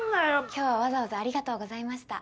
今日はわざわざありがとうございました。